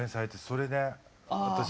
それで私